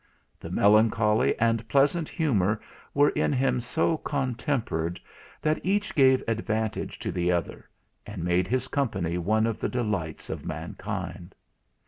The melancholy and pleasant humour were in him so contempered, that each gave advantage to the other, and made his company one of the delights of mankind.